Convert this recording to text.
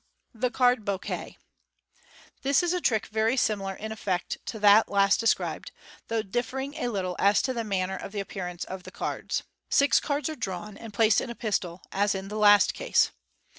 The Card Eougiuet. — This is a trick very similar in effect to that last described, though differing a little as to the manner of the appearance of the cards. Six cards are drawn, and placed in a pistol, as in the last case.